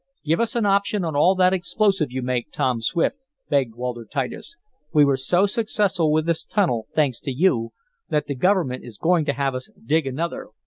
"Give us an option on all that explosive you make, Tom Swift!" begged Walter Titus. "We were so successful with this tunnel, thanks to you, that the government is going to have us dig another.